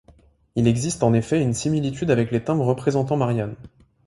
Il existe en effet une similitude avec les timbres représentant Marianne.